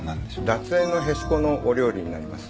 脱塩のへしこのお料理になります。